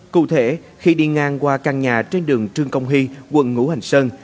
cụ thể khi đi ngang qua căn nhà trên đường trương công huy quận ngũ hành sơn